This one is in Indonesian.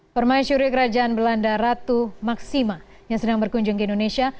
permaisuri kerajaan belanda ratu maksima yang sedang berkunjung ke indonesia